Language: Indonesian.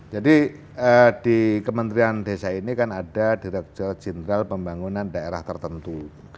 jadi di kementerian desa ini kan ada direktur jenderal pembangunan daerah tertinggal